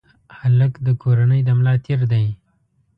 هلک د کورنۍ د ملا تیر دی.